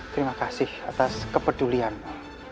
terima kasih atas kepedulianmu